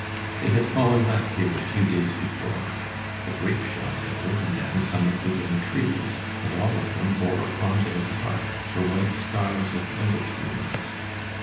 They had fallen back here a few days before; the grape shot had broken down some of the young trees, and all of them bore upon their bark the white scars of bullet wounds.